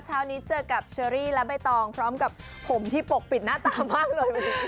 เช้านี้เจอกับเชอรี่และใบตองพร้อมกับผมที่ปกปิดหน้าตามากเลย